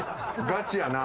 ガチやな。